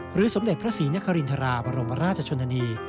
สมเด็จพระศรีนครินทราบรมราชชนนานี